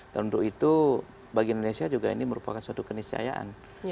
dan untuk itu bagi indonesia ini merupakan suatu kenisayaan